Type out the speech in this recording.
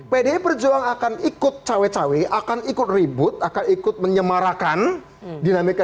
pdi perjuangan akan ikut cawe cawe akan ikut ribut akan ikut menyemarakan dinamika